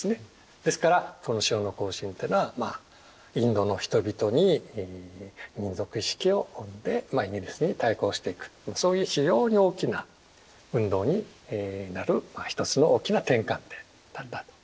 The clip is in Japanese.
ですからこの塩の行進ってのはインドの人々に民族意識をもってイギリスに対抗していくそういう非常に大きな運動になる一つの大きな転換点だったといわれてますね。